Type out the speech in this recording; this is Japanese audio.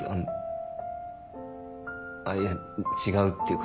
あっいや違うっていうか。